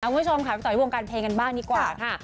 คุณผู้ชมค่ะไปต่อที่วงการเพลงกันบ้างดีกว่าค่ะ